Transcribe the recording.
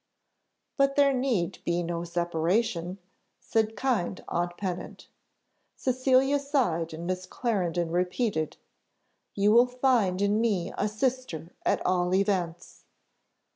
"But there need be no separation," said kind aunt Pennant. Cecilia sighed, and Miss Clarendon repeated, "You will find in me a sister at all events."